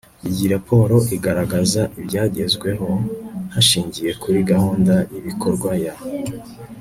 Iyi raporo igaragaza ibyagezweho hashingiye kuri gahunda y ibikorwa ya